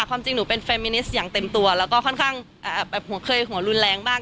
ค่ะความจริงหนูเป็นเฟมมินิสต์อย่างเต็มตัวแล้วก็ค่อนข้างเหลือแรงบ้าง